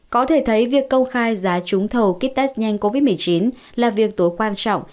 có thể thấy việc công khai giá trúng thầu kit test nhanh covid một mươi chín là việc tối quan trọng